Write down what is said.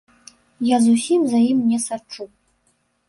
Я зусім за ім не сачу.